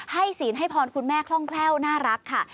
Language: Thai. ศีลให้พรคุณแม่คล่องแคล่วน่ารักค่ะ